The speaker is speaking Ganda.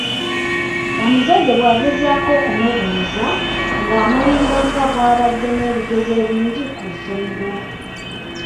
Omuzadde bwagezaako okumubuuza, ng'amulimba nga bwe babadde ne ebigezo ebingi ku ssomero.